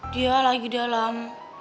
dia lagi dalam